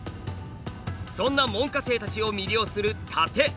そんな門下生たちを魅了する殺陣。